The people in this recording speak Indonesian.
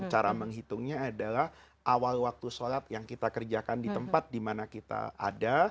cara menghitungnya adalah awal waktu sholat yang kita kerjakan di tempat dimana kita ada